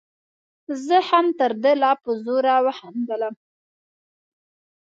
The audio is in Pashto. زه هم تر ده لا په زوره وخندلم.